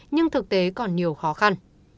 nhưng thực tế còn nhiều khó khăn